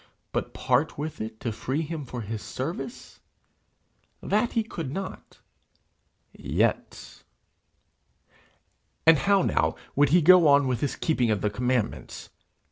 But part with it to free him for his service that he could not yet! And how now would he go on with his keeping of the commandments?